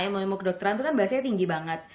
ilmu ilmu kedokteran itu kan bahasanya tinggi banget